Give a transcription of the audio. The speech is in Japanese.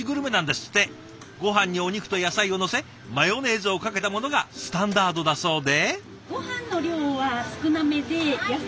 ごはんにお肉と野菜をのせマヨネーズをかけたものがスタンダードだそうで。